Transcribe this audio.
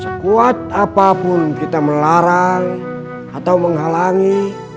sekuat apapun kita melarang atau menghalangi